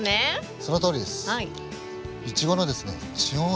そのとおりです。